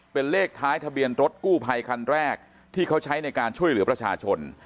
เป็นเลขท้ายทะเบียนรถกู้ภัยคันแรกที่เขาใช้ในการช่วยเหลือประชาชน